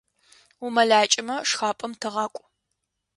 УмэлакӀэмэ, шхапӀэм тыгъакӀу.